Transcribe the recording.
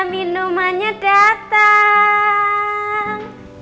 nah minumannya datang